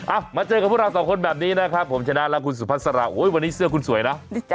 มาเจอกับพวกเราสองคนแบบนี้นะครับผมชนะและคุณสุพัสราโอ้ยวันนี้เสื้อคุณสวยนะ